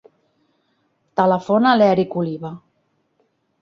Telefona a l'Erik Oliva.